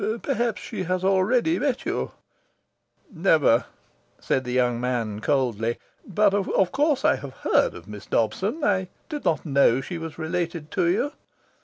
Perhaps she has already met you?" "Never," said the young man coldly. "But of course I have heard of Miss Dobson. I did not know she was related to you."